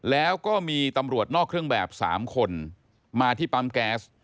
แล้วก็มีตำรวจนอกเครื่องแบบ๓คนมาที่ปั๊มแก๊ส